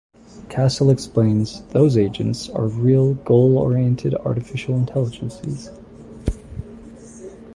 Castle explains, those agents are real, goal-oriented artificial intelligences.